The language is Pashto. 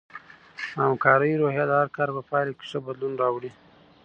د همکارۍ روحیه د هر کار په پایله کې ښه بدلون راوړي.